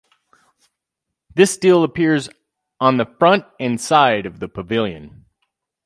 This still appears on the front and side of the pavilion.